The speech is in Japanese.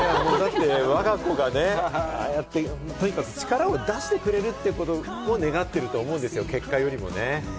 わが子がね、力を出してくれるということを願っていると思うんですよ、結果よりもね。